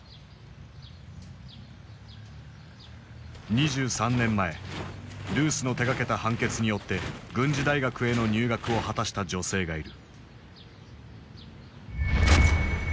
２３年前ルースの手がけた判決によって軍事大学への入学を果たした女性がいる。